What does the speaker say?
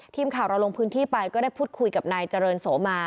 ทีมข่าวเราลงพื้นที่ไปก็ได้พูดคุยกับนายเจริญโสมา